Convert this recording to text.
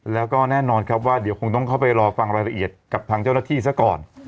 แล้วก็แน่นอนครับว่าเดี๋ยวคงต้องเข้าไปรอฟังรายละเอียดกับทางเจ้าหน้าที่ซะก่อน